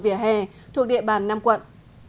vỉa hè thuộc địa bàn nam quận